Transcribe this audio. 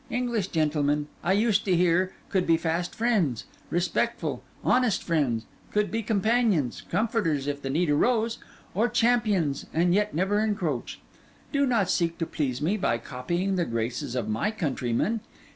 English gentlemen, I used to hear, could be fast friends, respectful, honest friends; could be companions, comforters, if the need arose, or champions, and yet never encroach. Do not seek to please me by copying the graces of my countrymen.